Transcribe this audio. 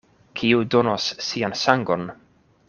Kiu donos sian sangon?